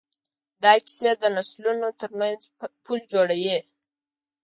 دا کیسې د نسلونو ترمنځ پل جوړوي.